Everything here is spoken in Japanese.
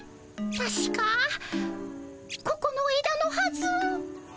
たしかここの枝のはず。